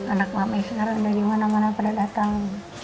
anak mami sekarang ada dimana mana pada datang